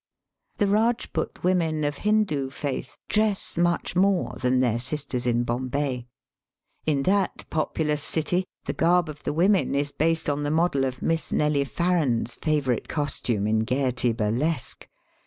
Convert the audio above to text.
The Eajput women of Hindoo faith dress much more than their sisters in Bombay. In that populous city the garb of the women is based on the model of Miss Nelly Farren's favourite costume in Gaiety burlesque.